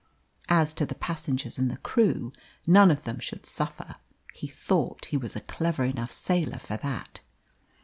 As to the passengers and the crew, none of them should suffer; he thought he was a clever enough sailor for that.